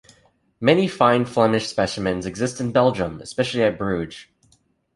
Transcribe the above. Many fine Flemish specimens exist in Belgium, especially at Bruges.